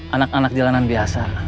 anak anak jalanan biasa